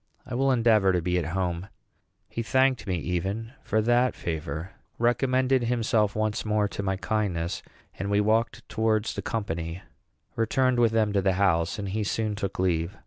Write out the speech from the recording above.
I will endeavor to be at home." He thanked me even for that favor, recommended himself once more to my kindness, and we walked towards the company, returned with them to the house, and he soon took leave.